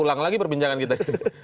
ulang lagi perbincangan kita